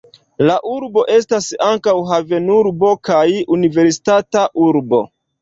La urbo estas ankaŭ havenurbo kaj universitata urbo.